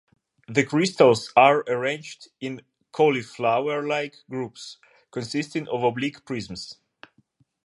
The crystals are arranged in cauliflower-like groups consisting of oblique prisms.